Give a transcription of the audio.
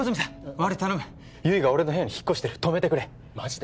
悪い頼む悠依が俺の部屋に引っ越してる止めてくれマジで？